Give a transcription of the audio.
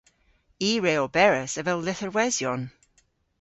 I re oberas avel lytherwesyon.